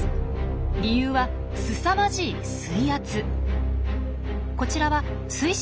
理由はすさまじい水圧。